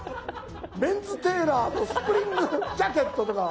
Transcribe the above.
メンズテーラーとスプリングジャケットとか。